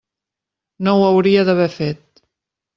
No ho hauria d'haver fet.